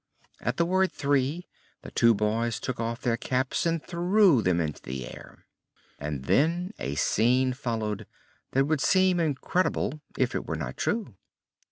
At the word "Three!" the two boys took off their caps and threw them into the air. And then a scene followed that would seem incredible if it were not true.